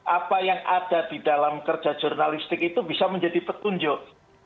apa yang ada di dalam kerja jurnalistik itu bisa menjadi petunjuk